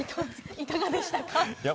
いかがでしたか？